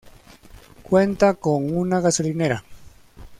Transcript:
Cuenta con una gasolinera.